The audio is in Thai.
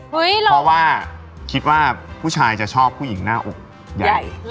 เพราะว่าคิดว่าผู้ชายจะชอบผู้หญิงหน้าอกใหญ่